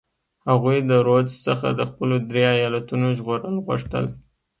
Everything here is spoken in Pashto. هغوی د رودز څخه د خپلو درې ایالتونو ژغورل غوښتل.